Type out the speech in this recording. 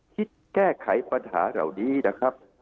คิดแก้ไขปัญหาเหล่านี้นะครับ